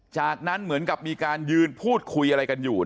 จากนั้นเหมือนกับมีการยืนพูดคุยอะไรกันอยู่